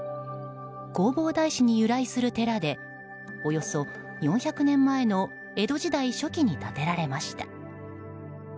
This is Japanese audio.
弘法大師に由来する寺でおよそ４００年前の江戸時代初期に建てられました。